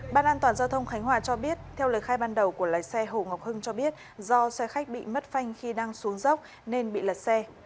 ban an toàn giao thông khánh hòa cho biết theo lời khai ban đầu của lái xe hồ ngọc hưng cho biết do xe khách bị mất phanh khi đang xuống dốc nên bị lật xe